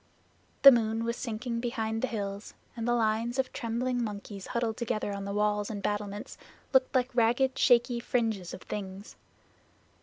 The moon was sinking behind the hills and the lines of trembling monkeys huddled together on the walls and battlements looked like ragged shaky fringes of things.